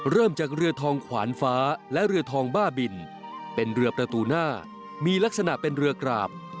เริ่มจากเรือทองขวานฟ้าและเรือทองบ้าบินเป็นเรือประตูหน้ามีลักษณะเป็นเรือกราบ